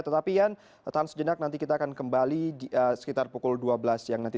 tetapi yan tahan sejenak nanti kita akan kembali sekitar pukul dua belas siang nanti